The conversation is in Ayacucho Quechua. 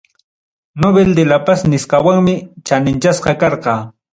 Nobel de la Paz nisqawanmi chaninchasqa karqa.